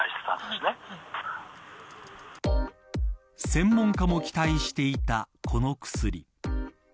専門家も期待していたこの薬。